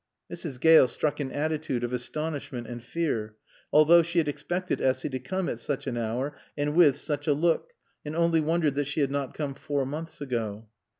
Mrs. Gale struck an attitude of astonishment and fear, although she had expected Essy to come at such an hour and with such a look, and only wondered that she had not come four months ago.